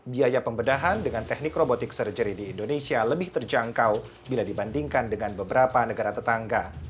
biaya pembedahan dengan teknik robotic surgery di indonesia lebih terjangkau bila dibandingkan dengan beberapa negara tetangga